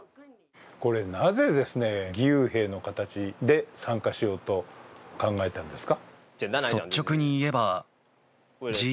なぜ義勇兵の形で参加しようと考えたんですか？